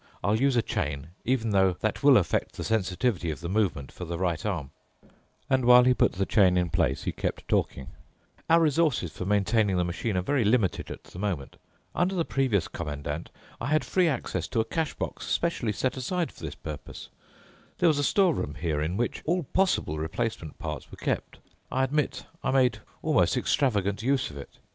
I'll use a chain—even though that will affect the sensitivity of the movements for the right arm." And while he put the chain in place, he kept talking, "Our resources for maintaining the machine are very limited at the moment. Under the previous Commandant, I had free access to a cash box specially set aside for this purpose. There was a store room here in which all possible replacement parts were kept. I admit I made almost extravagant use of it.